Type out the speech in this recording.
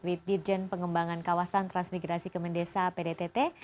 with dirjen pengembangan kawasan transmigrasi kementerian desa pdtt